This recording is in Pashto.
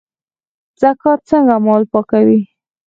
زکات څنګه مال پاکوي؟